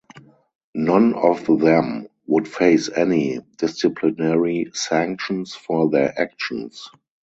None of them would face any disciplinary sanctions for their actions.